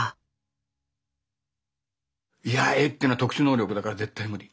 いやあ絵っていうのは特殊能力だから絶対無理。